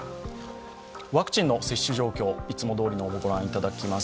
ワクチンの接種状況、いつもどおりのものを御覧いただきます。